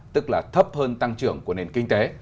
tức là thấp hơn tăng trưởng của nền kinh tế